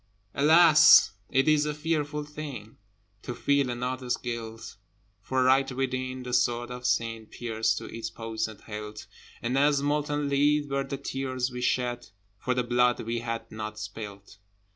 Alas! it is a fearful thing To feel another's guilt! For, right within, the sword of Sin Pierced to its poisoned hilt, And as molten lead were the tears we shed For the blood we had not spilt.